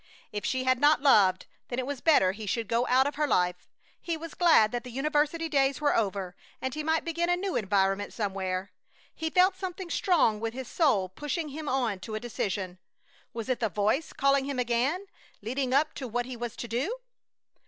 If she had not loved, then it was better he should go out of her life! He was glad that the university days were over, and he might begin a new environment somewhere. He felt something strong within his soul pushing him on to a decision. Was it the Voice calling him again, leading up to what he was to do?